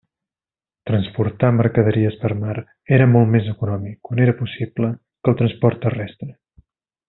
Transportar mercaderies per mar era molt més econòmic, quan era possible, que el transport terrestre.